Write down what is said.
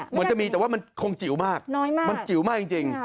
เหมือนจะมีแต่ว่ามันคงจิ๋วมากน้อยมากมันจิ๋วมากจริง